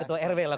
ketua rw loh